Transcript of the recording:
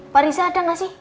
pak risa ada gak sih